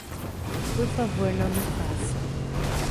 Por favor não me faça.